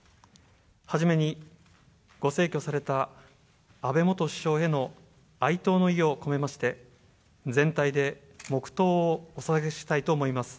初めにご逝去された安倍元首相への哀悼の意を込めまして、全体で黙とうをおささげしたいと思います。